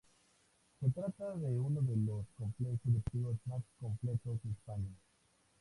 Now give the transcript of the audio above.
Se trata de uno de los complejos deportivos más completos de España.